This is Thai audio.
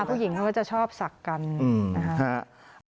ผู้หญิงก็จะชอบสักกันนะคะ